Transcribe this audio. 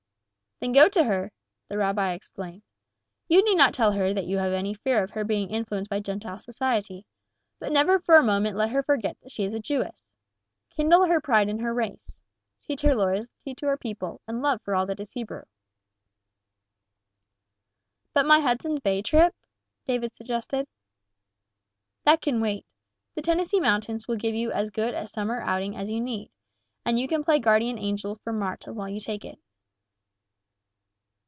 "Then go to her!" the rabbi exclaimed. "You need not tell her that you have any fear of her being influenced by Gentile society but never for a moment let her forget that she is a Jewess. Kindle her pride in her race. Teach her loyalty to her people, and love for all that is Hebrew." "But my Hudson Bay trip?" David suggested. "That can wait. The Tennessee mountains will give you as good a summer outing as you need, and you can play guardian angel for Marta while you take it."